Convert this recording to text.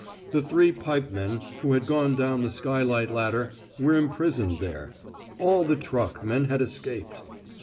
The three pipemen, who had gone down the skylight ladder, were imprisoned there. All the trackmen had escaped.